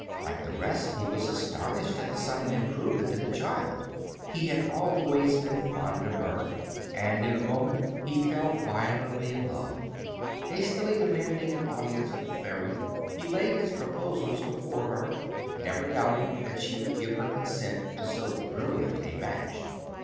Like the rest, he was astonished at the sudden improvement in the child. He had always been fond of her, and in a moment he fell violently in love. Hastily demanding an audience of the fairy, he laid his proposals before her, never doubting that she would give her consent to so brilliant a match.